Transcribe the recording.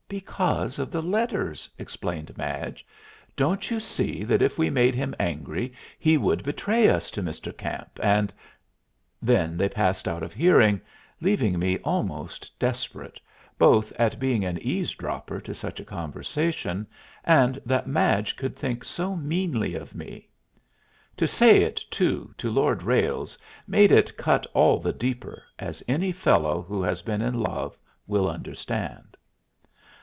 "Because of the letters," explained Madge. "Don't you see that if we made him angry he would betray us to Mr. Camp, and " Then they passed out of hearing, leaving me almost desperate, both at being an eavesdropper to such a conversation, and that Madge could think so meanly of me. To say it, too, to Lord Ralles made it cut all the deeper, as any fellow who has been in love will understand.